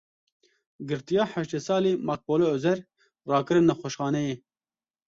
Girtiya heştê salî Makbule Ozer rakirin nexweşxaneyê.